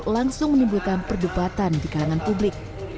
langsung menimbulkan perdebatan di kalangan publik